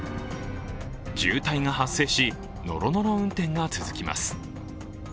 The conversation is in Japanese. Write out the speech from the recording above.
渋滞が発生し、のろのろ運転が続きます。